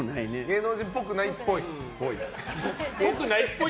芸能人ぽくないっぽい？